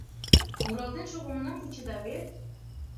Муралтен шогымынам вучеда вет?